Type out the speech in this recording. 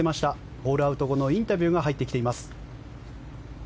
ホールアウト後のインタビューが入ってきています。